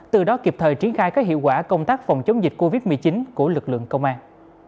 từ đó kịp thời triển khai các hiệu quả công tác phòng chống dịch covid một mươi chín của lực lượng công an